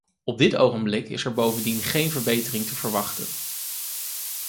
Op dit ogenblik is er bovendien geen verbetering te verwachten.